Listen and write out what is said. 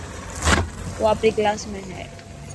او آپري ڪلاس ۾ هي.